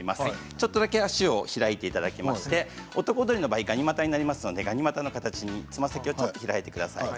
ちょっとだけ足を開いていただきまして男踊りの場合はガニ股になっていただきましてつま先を少し開いてください。